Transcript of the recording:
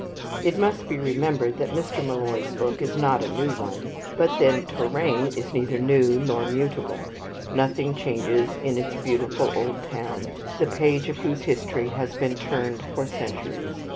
It must be remembered that Mr. Molloy's book is not a new one; but then Touraine is neither new nor mutable. Nothing changes in its beautiful old towns, the page of whose history has been turned for centuries.